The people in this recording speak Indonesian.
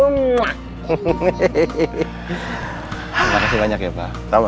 terima kasih banyak ya pak